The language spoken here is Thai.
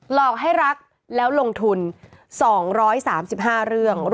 หลอกให้รักแล้วลงทุน๒๓๕เรื่อง